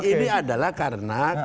ini adalah karena